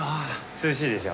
涼しいでしょ？